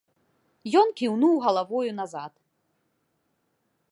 Ён кіўнуў галавою назад.